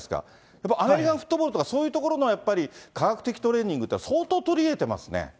やっぱりアメリカンフットボールとか、そういうところのやっぱり、科学的トレーニングって、相当取り入れてますね。